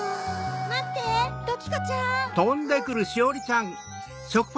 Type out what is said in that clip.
・まってドキコちゃん・ん？